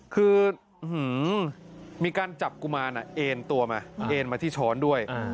คือมีการจับกุมารเอ็นตัวมาเอ็นมาที่ช้อนด้วย